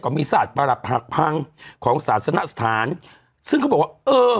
มีศาสตร์ประหลับหักพังของศาสนสถานซึ่งเขาบอกว่าเออ